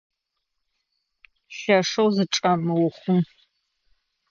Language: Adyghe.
Лъэшэу зычӏэмыухъум!